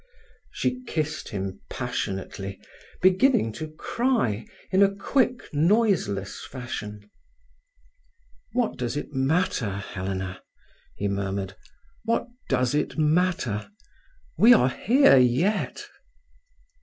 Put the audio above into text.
She kissed him passionately, beginning to cry in a quick, noiseless fashion. "What does it matter, Helena?" he murmured. "What does it matter? We are here yet."